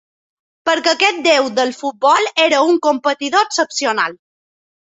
Perquè aquest déu del futbol era un competidor excepcional.